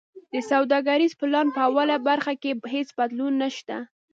د سوداګریز پلان په اوله برخه کی هیڅ بدلون نشته.